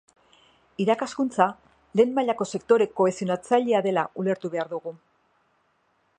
Irakaskuntza lehen mailako sektore kohesionatzailea dela ulertu behar dugu.